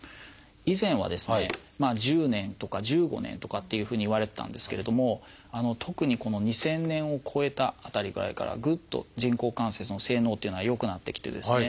以前はですね１０年とか１５年とかというふうにいわれてたんですけれども特にこの２０００年を越えた辺りぐらいからぐっと人工関節の性能というのは良くなってきてですね